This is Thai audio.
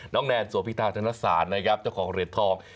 แนนสวพิธาธนสารนะครับเจ้าของเหรียญทอง